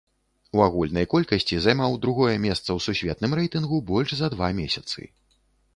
У агульнай колькасці займаў другое месца ў сусветным рэйтынгу больш за два месяцы.